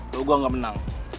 lo gue gak menang